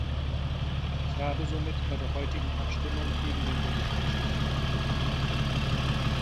Ich habe somit bei der heutigen Abstimmung gegen den Bericht gestimmt.